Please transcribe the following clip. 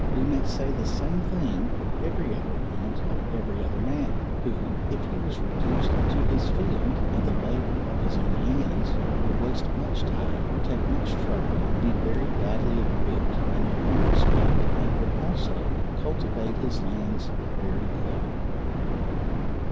We may say the same thing of every other want of every other man, who, if he was reduced to his field, and the labour of his own hands, would waste much time, take much trouble, be very badly equipped in every respect and would also cultivate his lands very ill.